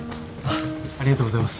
ありがとうございます。